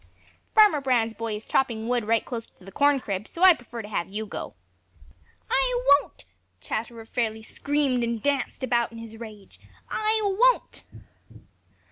"Farmer Brown's boy is chopping wood right close by the corn crib, so I prefer to have you go." "I won't!" Chatterer fairly screamed and danced about in his rage. "I won't!"